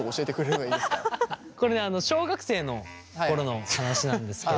これねあの小学生の頃の話なんですけど。